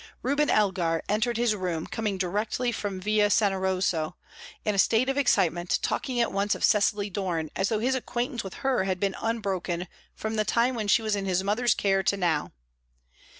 Reuben Elgar entered his room, coming directly from Villa Sannazaro, in a state of excitement, talking at once of Cecily Doran as though his acquaintance with her had been unbroken from the time when she was in his mother's care to now.